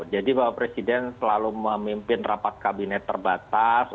jadi pak presiden selalu memimpin rapat kabinet terbatas